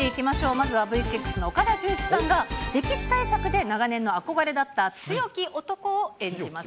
まずはＶ６の岡田准一さんが、歴史大作で長年の憧れだった強き男を演じます。